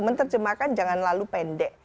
menerjemahkan jangan lalu pendek